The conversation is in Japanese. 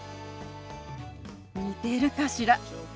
似てるかしら？